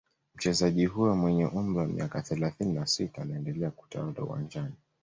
Mchezaji huyo mwenye umri wa miaka thelathini na sita anaendelea kutawala uwanjani